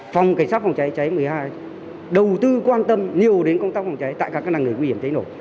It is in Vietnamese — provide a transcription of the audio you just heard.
phòng cảnh sát phòng cháy cháy một mươi hai đầu tư quan tâm nhiều đến công tác phòng cháy tại các làng nghề nguy hiểm cháy nổ